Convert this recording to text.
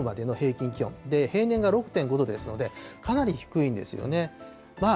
神戸の気温が５．３度、きのうまでの平均気温、平年が６．５度ですので、かなり低いんですよね。